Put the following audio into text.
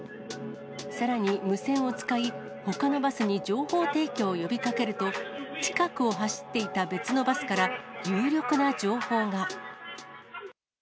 さらに無線を使い、ほかのバスに情報提供を呼びかけると、近くを走っていた別のバスから、有力な情報が。